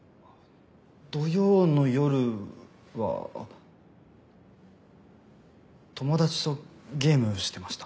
土曜の夜は友達とゲームしてました。